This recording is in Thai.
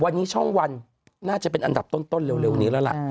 วันนี้ช่องวันน่าจะเป็นอันดับต้นเร็วนี้แล้วล่ะ